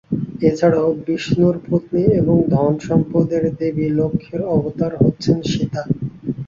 এছাড়াও, বিষ্ণুর পত্নী এবং ধন-সম্পদের দেবী লক্ষ্মী’র অবতার হচ্ছেন সীতা।